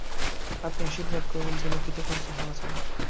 আপনি আশীর্বাদ করুন যেন কৃতকার্য হওয়া যায়।